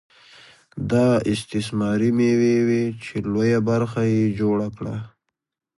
دا استثماري مېوې وې چې لویه برخه یې جوړه کړه